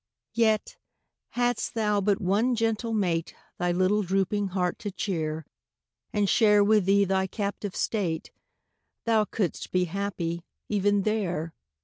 Yet, hadst thou but one gentle mate Thy little drooping heart to cheer, And share with thee thy captive state, Thou couldst be happy even there.